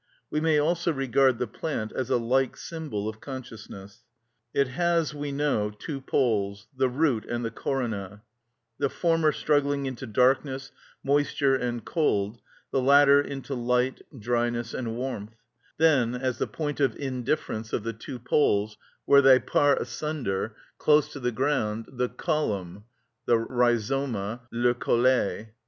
We may also regard the plant as a like symbol of consciousness. It has, we know, two poles, the root and the corona: the former struggling into darkness, moisture, and cold, the latter into light, dryness, and warmth; then, as the point of indifference of the two poles, where they part asunder, close to the ground, the collum (rhizoma, le collet).